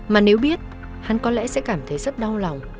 mà nếu biết hắn có lẽ sẽ cảm thấy rất đau lòng